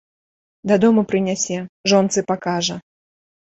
Дадому прынясе, жонцы пакажа.